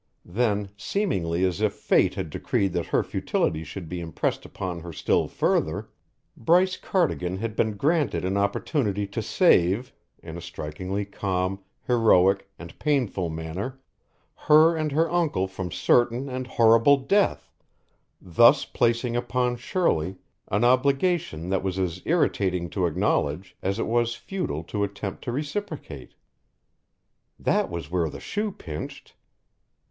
Then, seemingly as if fate had decreed that her futility should be impressed upon her still further, Bryce Cardigan had been granted an opportunity to save, in a strikingly calm, heroic, and painful manner, her and her uncle from certain and horrible death, thus placing upon Shirley an obligation that was as irritating to acknowledge as it was futile to attempt to reciprocate. That was where the shoe pinched.